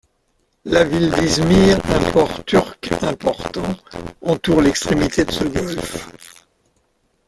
La ville d'Izmir, un port turc important, entoure l'extrémité de ce golfe.